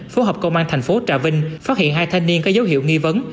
phối hợp công an thành phố trà vinh phát hiện hai thanh niên có dấu hiệu nghi vấn